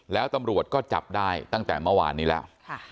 แล้วตำรวจก็จับได้ตั้งแต่เมื่อวานนี้แล้ว